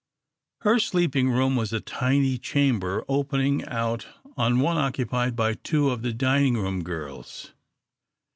Her sleeping room was a tiny chamber opening out of one occupied by two of the dining room girls.